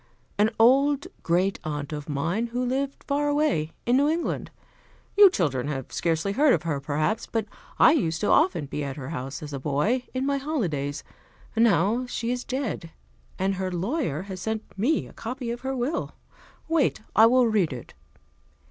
"An old great aunt of mine, who lived far away, in New England. You children have scarcely heard of her, perhaps, but I used often to be at her house, as a boy, in my holidays. Now she is dead, and her lawyer has sent me a copy of her will. Wait, I will read it."